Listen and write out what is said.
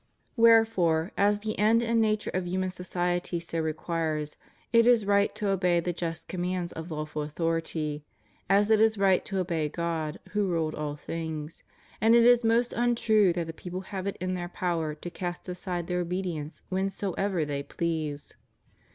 Wherefore, as the end and nature of human society so requires, it is right to obey the just commands of lawful authority, as it is right to obey God who ruleth all things; and it is most untrue that the people have it in their power to cast aside their obedience whensoever they please.